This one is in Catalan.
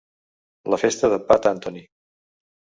La festa de Pat Anthony.